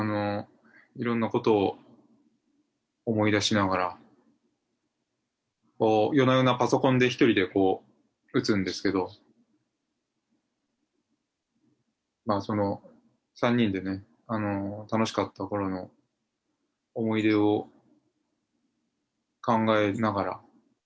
いろんなことを思い出しながら、夜な夜なパソコンで一人でこう、打つんですけど、３人でね、楽しかったころの思い出を考えながら。